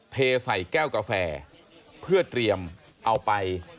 เทใส่แก้วกาแฟเพื่อเตรียมเอาไป